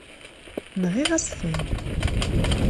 Nɣiɣ-asen-ten.